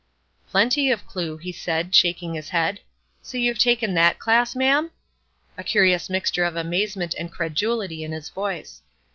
"Plenty of clue," he said, shaking his head. "So you've taken that class, ma'am?" a curious mixture of amazement and credulity in his voice.